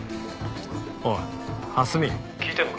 おい蓮見聞いてるのか？